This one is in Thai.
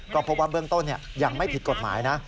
ก็พบว่าเบื้องต้นยังไม่ผิดกฎหมายนะ